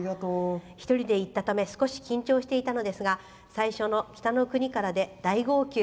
１人で行ったため少し緊張していたのですが最初の「北の国から」で大号泣。